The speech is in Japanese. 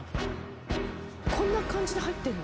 「こんな感じで入ってるの？」